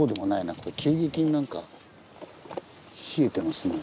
これ急激になんか冷えてますね。